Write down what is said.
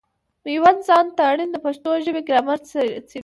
مېوند خان تارڼ د پښتو ژبي ګرامر څېړي.